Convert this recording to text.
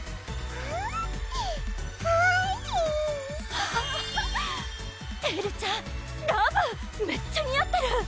はぁエルちゃんラブめっちゃ似合ってる！